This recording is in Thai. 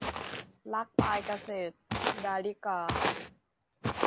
รักปลายเกสร - ดาริกา